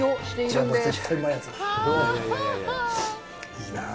いいなあ。